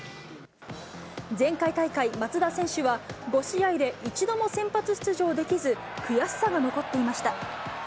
前回大会、松田選手は、５試合で一度も先発出場できず、悔しさが残っていました。